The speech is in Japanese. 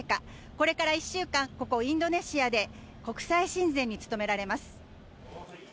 これから１週間、ここ、インドネシアで国際親善に務められます。